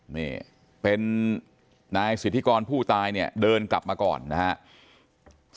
นี่เป็นนายสิทธิกรผู้ตายเนี่ยเดินกลับมาก่อนนะครับ